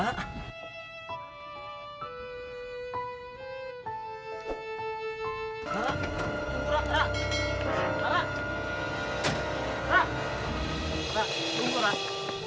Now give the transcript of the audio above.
ibu ber gitulang